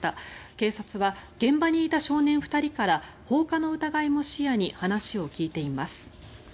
警察は、現場にいた少年２人から放火の疑いも視野に話を聞いています。